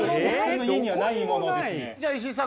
じゃあ石井さん